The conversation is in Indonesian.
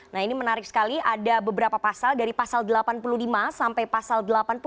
nah ini menarik sekali ada beberapa pasal dari pasal delapan puluh lima sampai pasal delapan puluh